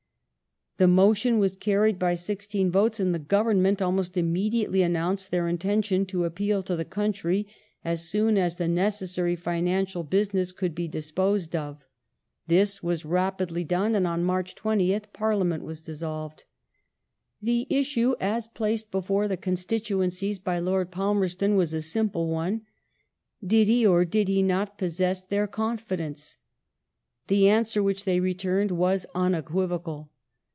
The motion was carried by sixteen votes, and the Government almost immediately announced their intention to appeal to the country as soon as the necessary financial business could be disposed of. This was rapidly done, and on March 20th Parliament was dissolved. The issue as placed before the constituencies by Lord Palmerston was a simple one : did he or did he not possess their confidence ? The answer which they returned was unequivocal.